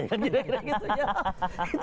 gira gira gitu ya